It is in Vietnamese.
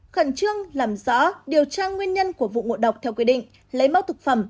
khẩn trương làm rõ điều tra nguyên nhân của vụ ngộ độc theo quy định lấy mẫu thực phẩm